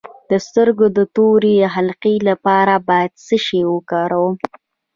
د سترګو د تورې حلقې لپاره باید څه شی وکاروم؟